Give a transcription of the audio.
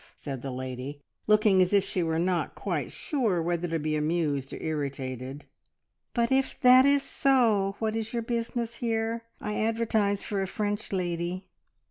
said the lady, looking as if she were not quite sure whether to be amused or irritated. "But if that is so, what is your business here? I advertised for a French lady."